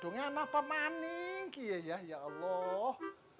ini anak apaan ya ya ya allah